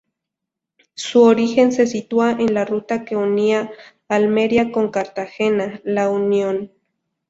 Su origen se sitúa en la ruta que unía Almería con Cartagena -La Unión.